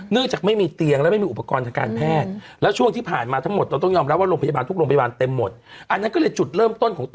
เนื่องจากไม่มีเตียงและไม่มีอุปกรณ์ทางการแพทย์